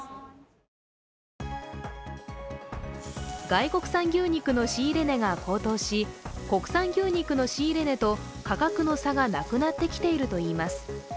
外国産牛肉の仕入れ値が高騰し国産牛肉の仕入れ値と価格差がなくなってきているといいます。